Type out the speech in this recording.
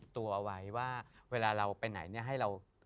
พี่ยังไม่ได้เลิกแต่พี่ยังไม่ได้เลิก